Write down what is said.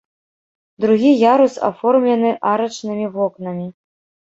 Другі ярус аформлены арачнымі вокнамі.